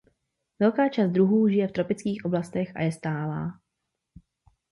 Velká část druhů žije v tropických oblastech a je stálá.